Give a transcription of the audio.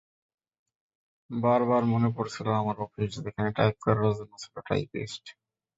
বারবার মনে পড়ছিল আমার অফিস, যেখানে টাইপ করার জন্য ছিল টাইপিস্ট।